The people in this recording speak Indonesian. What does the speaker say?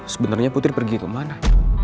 sebenarnya putri pergi ke mana